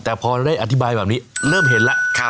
แต่พอได้อธิบายแบบนี้เริ่มเห็นแล้ว